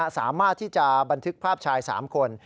สามารถที่จะบันทึกภาพชาย๓คน